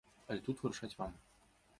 Але тут вырашаць вам!